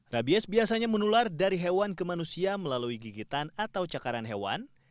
rabies biasanya menular dari hewan ke manusia melalui gigitan atau cakaran hewan